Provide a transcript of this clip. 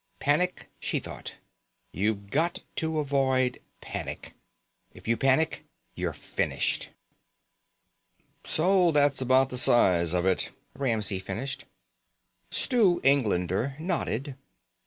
Panic, she thought. You've got to avoid panic. If you panic, you're finished.... "So that's about the size of it," Ramsey finished. Stu Englander nodded.